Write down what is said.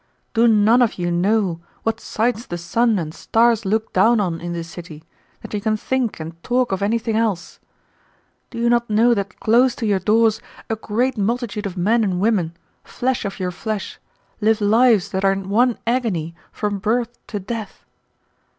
Do none of you know what sights the sun and stars look down on in this city, that you can think and talk of anything else? Do you not know that close to your doors a great multitude of men and women, flesh of your flesh, live lives that are one agony from birth to death?